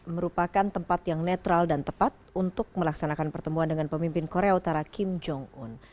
merupakan tempat yang netral dan tepat untuk melaksanakan pertemuan dengan pemimpin korea utara kim jong un